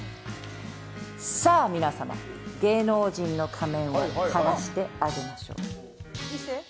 さあ皆さま芸能人の仮面をはがしてあげましょう。